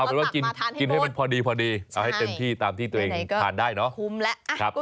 เอาเป็นว่ากินให้มันพอดีเอาให้เต็มที่ตามที่ตัวเองทานได้เนาะ